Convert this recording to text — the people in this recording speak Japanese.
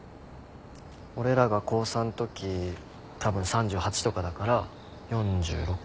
俺らが高３ときたぶん３８とかだから４６？